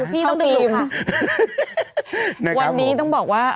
พี่ต้องดึง